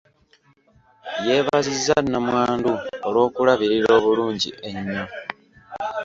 Yeebazizza nnamwandu olw'okulabirira obulungi ennyo.